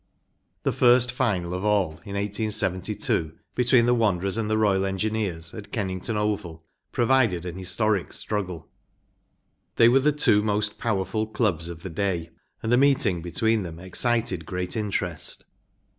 The first final of all, in 1872, between the Wanderers and the Royal Engineers, at Kennington Oval, provided an historic struggle. They were the two most powerful clubs of the day, and the meeting between them excited great interest.